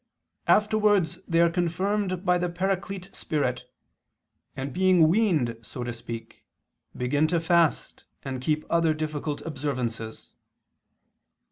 Afterwards they are confirmed by the Paraclete Spirit, and being weaned so to speak, begin to fast and keep other difficult observances.